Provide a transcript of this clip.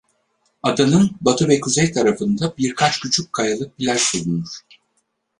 Adanın batı ve kuzey tarafında birkaç küçük kayalık plaj bulunur.